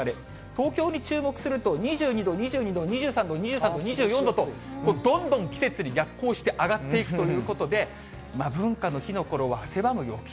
東京に注目すると、２２度、２２度、２３度、２３度、２４度と、どんどん季節に逆行して上がっていくということで、文化の日のころは汗ばむ陽気。